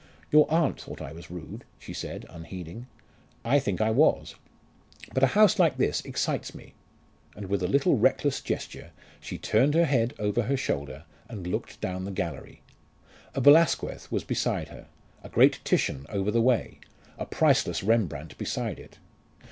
"Your aunt thought I was rude," she said unheeding. "I think I was. But a house like this excites me." And with a little reckless gesture she turned her head over her shoulder and looked down the gallery. A Velasquez was beside her; a great Titian over the way; a priceless Rembrandt beside it.